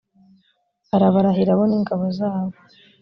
arabarahira, bo n’ingabo zabo